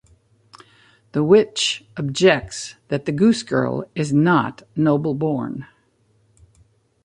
The Witch objects that the Goose-Girl is not noble-born.